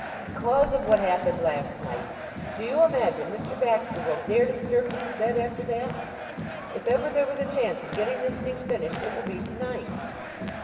"Because of what happened last night. Do you imagine Mr. Baxter will dare to stir from his bed after that? If ever there was a chance of getting this thing finished, it will be to night."